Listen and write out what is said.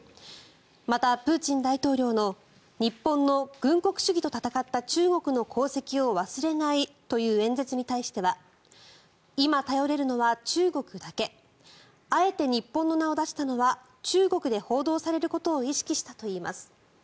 また、プーチン大統領の日本の軍国主義と戦った中国の功績を忘れないという演説に対しては今、頼れるのは中国だけあえて日本の名を出したのは中国で報道されることを意識したといいます。